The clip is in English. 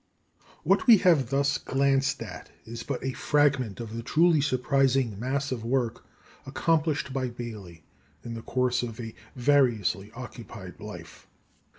What we have thus glanced at is but a fragment of the truly surprising mass of work accomplished by Baily in the course of a variously occupied life.